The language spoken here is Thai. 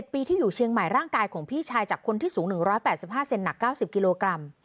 ปีที่อยู่เชียงใหม่ร่างกายของพี่ชายจากคนที่สูง๑๘๕เซนหนัก๙๐กิโลกรัม